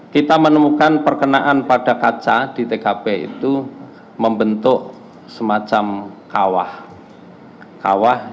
kita menemukan perkenaan pada kaca di tkp itu membentuk semacam kawah